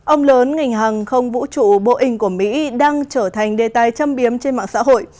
ông lớn ngành hàng không vũ trụ boeing của mỹ đang trở thành đề tài châm biếm trên mạng xã hội